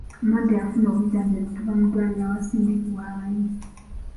Omulwadde yafuna obujjanjabi okuva mu ddwaliro awasindikibwa abayi